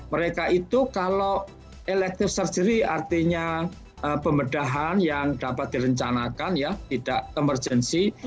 mereka itu kalau elective surgery artinya pembedahan yang dapat direncanakan ya tidak emergensi